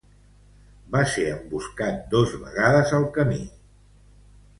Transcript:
Va ser emboscat dos vegades al camí.